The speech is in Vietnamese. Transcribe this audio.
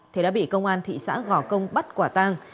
thì đã bị công an thị xã gò công bắt quả tang